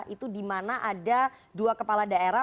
itu dimana ada dua kepala daerah